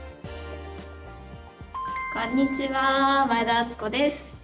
こんにちは前田敦子です。